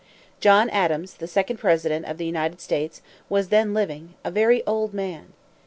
John Adams, the second president of the United States, was then living, a very old man.